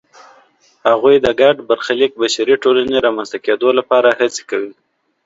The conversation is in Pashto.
هغوی د ګډ برخلیک بشري ټولنې رامنځته کېدو لپاره هڅې کوي.